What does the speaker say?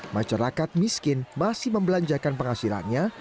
masyarakat miskin masih membelanjakan penghasilannya